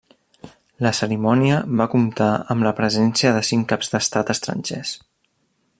La cerimònia va comptar amb la presència de cinc caps d'Estat estrangers.